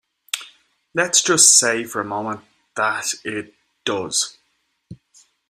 But let's just say for a moment that it does.